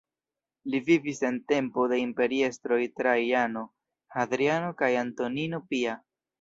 Li vivis en tempo de imperiestroj Trajano, Hadriano kaj Antonino Pia.